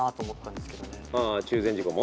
中禅寺湖も？